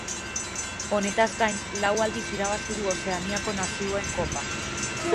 Honetaz gain lau aldiz irabazi du Ozeaniako Nazioen Kopa.